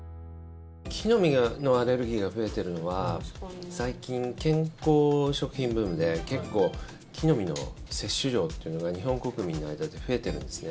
木の実のアレルギーが増えているのは最近、健康食品ブームで木の実の摂取量というのが日本国民の間で増えてるんですね。